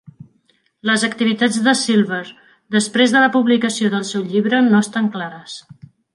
Les activitats de Silver després de la publicació del seu llibre no estan clares.